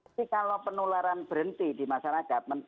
tapi kalau penularan berhenti di masyarakat